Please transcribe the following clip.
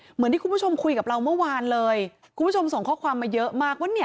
เหมือนที่คุณผู้ชมคุยกับเราเมื่อวานเลยคุณผู้ชมส่งข้อความมาเยอะมากว่าเนี่ย